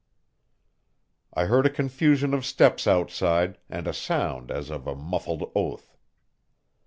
I heard a confusion of steps outside, and a sound as of a muffled oath.